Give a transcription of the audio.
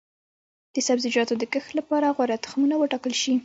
د سبزیجاتو د کښت لپاره غوره تخمونه وټاکل شي.